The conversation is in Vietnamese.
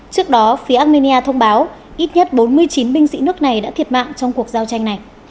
trước đó phía armenia thông báo ít nhất bốn mươi chín binh sĩ nước này đã thiệt mạng trong cuộc giao tranh này